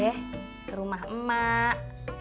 ke rumah emak